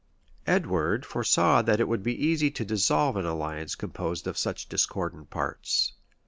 Edward foresaw that it would be easy to dissolve an alliance composed of such discordant parts.